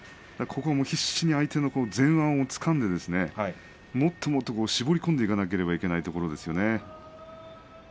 ここは必死に相手の前腕をつかんでもっともっと絞り込んでいかなければいけないところです。